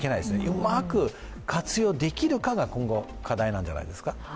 うまく活用できるかが今後、課題なんじゃないですか。